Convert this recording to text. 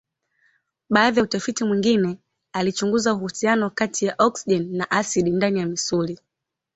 Baadhi ya utafiti mwingine alichunguza uhusiano kati ya oksijeni na asidi ndani ya misuli.